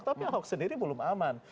tapi ahok sendiri belum aman